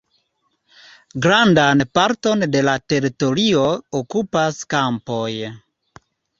Grandan parton de la teritorio okupas kampoj.